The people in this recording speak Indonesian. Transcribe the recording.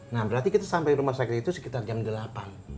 nah berarti kita sampai rumah sakit itu sekitar jam delapan